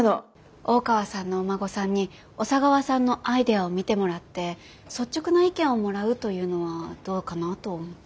大川さんのお孫さんに小佐川さんのアイデアを見てもらって率直な意見をもらうというのはどうかなと思って。